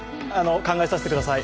考えさせてください。